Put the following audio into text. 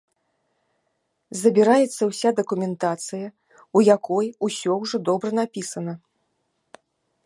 Забіраецца ўся дакументацыя, у якой усё ўжо добра напісана.